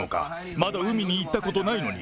まだ海に行ったことないのに。